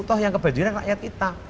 toh yang kebandiran rakyat kita